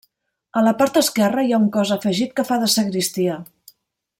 A la part esquerra hi ha un cos afegit que fa de sagristia.